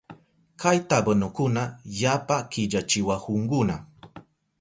Kay tabanukuna yapa killachiwahunkuna.